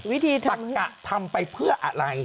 วิธีทำให้ตักกะทำไปเพื่ออะไร